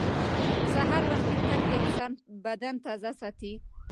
سهار وختي تګ د انسان بدن تازه ساتي